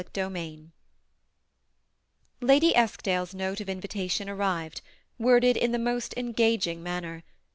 CHAPTER XL Ladt Eskdale's note of invitation arrived, worded in the most engaging manner.